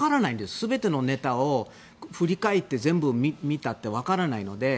全てのネタを振り返って全部見たって分からないので。